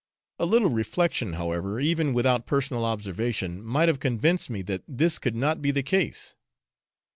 A little reflection, however, even without personal observation, might have convinced me that this could not be the case.